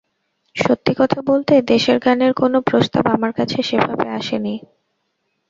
সত্যি কথা বলতে, দেশের গানের কোনো প্রস্তাব আমার কাছে সেভাবে আসেনি।